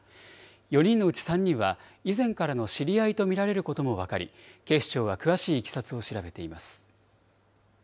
４人のうち３人は、以前からの知り合いと見られることも分かり、警視庁は詳しいいきさつを調べています。